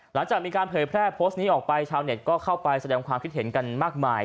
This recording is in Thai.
หลังจากมีการเผยแพร่โพสต์นี้ออกไปชาวเน็ตก็เข้าไปแสดงความคิดเห็นกันมากมาย